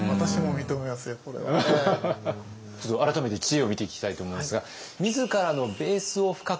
ちょっと改めて知恵を見ていきたいと思いますが。